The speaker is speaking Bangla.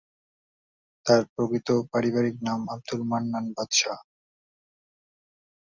তার প্রকৃত পারিবারিক নাম আব্দুল মান্নান বাদশা।